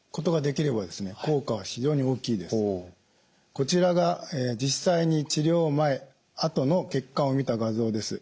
こちらが実際に治療前あとの血管を見た画像です。